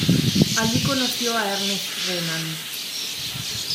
Allí conoció a Ernest Renan.